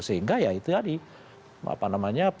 sehingga ya itu tadi apa namanya